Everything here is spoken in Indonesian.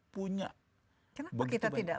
punya kenapa kita tidak